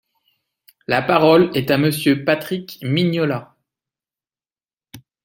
La parole est à Monsieur Patrick Mignola.